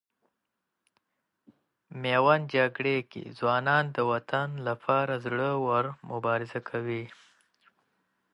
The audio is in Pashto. میوند جګړې کې ځوانان د وطن لپاره زړه ور مبارزه کوي.